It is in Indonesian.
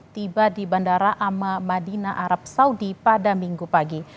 tiba di bandara ama madinah arab saudi pada minggu pagi